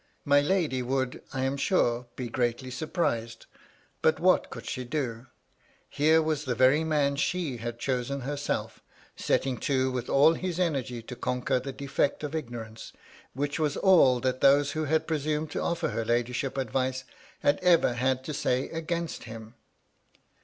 My lady would, I am sure, be greatly surprised, but what could she do ? Here was the very man she had chosen herself, setting to with all his energy to conquer the defect of ignorance, which was all that those who had presumed to oflFer her ladyship advice had ever had to say against him.